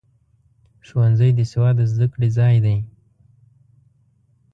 ښوونځی د سواد د زده کړې ځای دی.